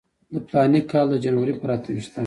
د فلاني کال د جنورۍ پر اته ویشتمه.